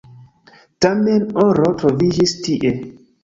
Tamen oro troviĝis tie.